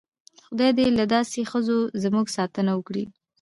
خدای دې له داسې ښځو زموږ ساتنه وکړي.